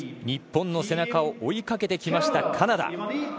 日本の背中を追いかけてきたカナダ。